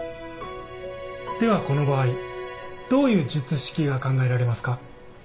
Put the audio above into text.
ではこの場合どういう術式が考えられますか？